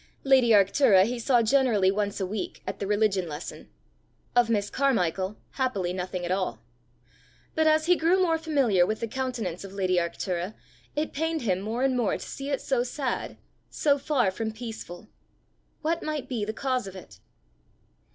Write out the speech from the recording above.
Lady Arctura he saw generally once a week at the religion lesson; of Miss Carmichael happily nothing at all. But as he grew more familiar with the countenance of lady Arctura, it pained him more and more to see it so sad, so far from peaceful. What might be the cause of it?